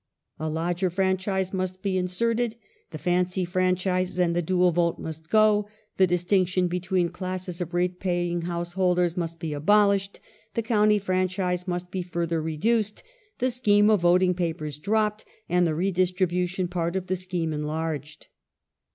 A lodger franchise must be inserted ; the fancy franchises and the dual vote must go ; the distinction between classes of rate pay ing householders must be abolished ; the county franchise must be further reduced ; the scheme of voting papers dropped, and the redistribution part of the scheme enlarged.